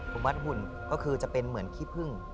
ผมวัดหุ่นก็คือจะเป็นเหมือนขี้พึ่ง